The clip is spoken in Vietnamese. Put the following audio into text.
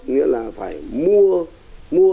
nghĩa là phải mua